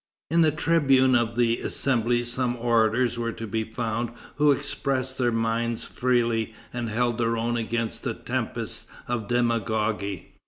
In the tribune of the Assembly some orators were to be found who expressed their minds freely and held their own against the tempests of demagogy.